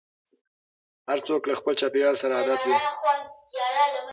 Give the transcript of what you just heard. هر څوک له خپل چاپېريال سره عادت وي.